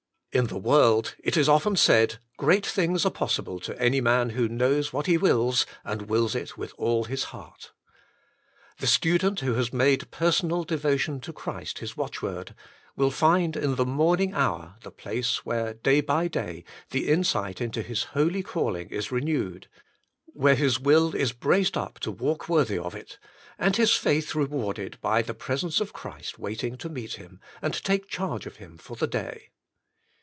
In the world it is often said: Great things are possible to any man who knows what he wills, and wills it with all his heart. The student who has made personal devotion to Christ his watchword, will find in the morning hour the place where day by day the insight into his holy calling is 14 The Inner Chamber renewed; where his will is braced up to walk worthy of it; and his faith rewarded by the pres ence of Christ waiting to meet him, and take charge of him for the day.